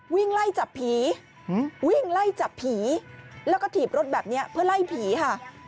วิ่งไล่จับผีวิ่งไล่จับผีแล้วก็ถีบรถแบบนี้เพื่อไล่ผีค่ะ